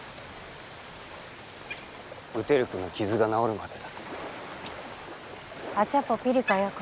ウテルクの傷が治るまでだ。